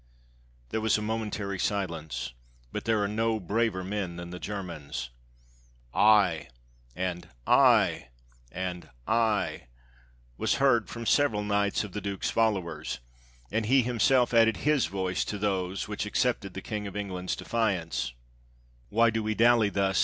There was a momentary silence; but there are no braver men than the Germans. "I," and "I," and "I," was heard from several knights of the Duke's followers; and he himself added his voice to those which accepted the King of England's defiance. 612 THE TEARING DOWN OF ENGLAND'S FLAG "Why do wc dally thus?"